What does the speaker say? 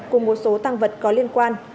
cùng một số tăng vật có liên quan